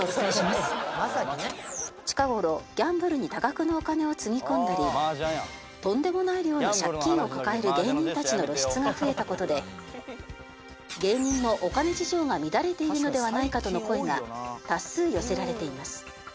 近頃ギャンブルに多額のお金をつぎ込んだりとんでもない量の借金を抱える芸人たちの露出が増えた事で芸人のお金事情が乱れているのではないかとの声が多数寄せられています。